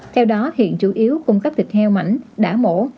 theo đó hiện chủ yếu cung cấp thịt heo mảnh đã mổ